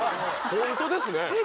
ホントですね